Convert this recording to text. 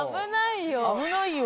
危ないよ。